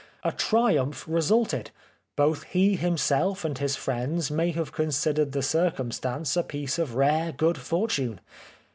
A triumph resulted ; both he himself and his friends may have considered the circumstance a piece of rare good fortune.